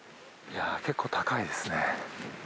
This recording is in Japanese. いやー、結構高いですね。